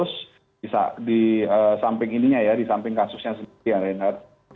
di samping ini ya di samping kasusnya sendiri ya rnh